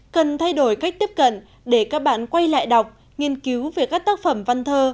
cần thay đổi cách tiếp cận để các bạn quay lại đọc nghiên cứu về các tác phẩm văn thơ